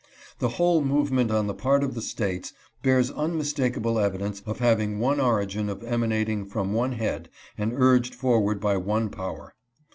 The whole movement on the part of the States bears unmistakable evidence of having one origin, of emanating from one head, and urged forward by one power.